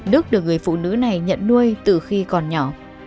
đức được người phụ nữ này nhận nuôi từ khi còn nhỏ